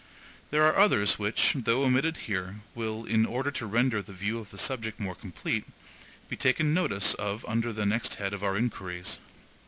There are others which, though omitted here, will, in order to render the view of the subject more complete, be taken notice of under the next head of our inquiries.